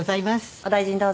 お大事にどうぞ。